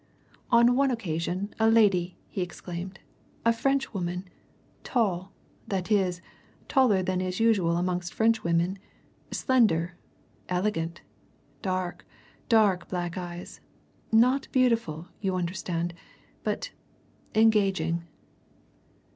"On one occasion, a lady!" he exclaimed. "A Frenchwoman. Tall that is, taller than is usual amongst Frenchwomen slender elegant. Dark dark, black eyes not beautiful, you understand, but engaging."